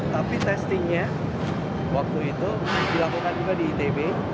tapi testingnya waktu itu dilakukan juga di itb